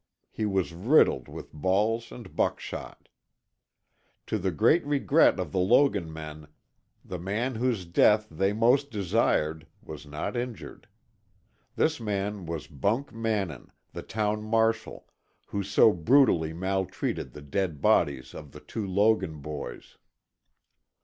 He was riddled with balls and buckshot. To the great regret of the Logan men, the man whose death they most desired, was not injured. This man was Bunk Mannin, the town marshal, who so brutally maltreated the dead bodies of the two Logan boys.